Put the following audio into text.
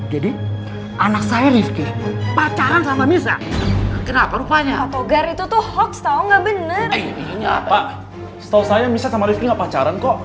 gua nggak mau